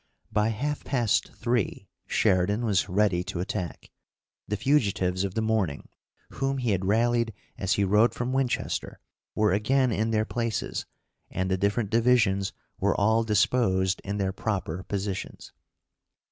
By halfpast three Sheridan was ready to attack. The fugitives of the morning, whom he had rallied as he rode from Winchester, were again in their places, and the different divisions were all disposed in their proper positions.